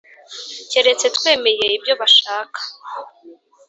Keretse twemeye ibyo bashaka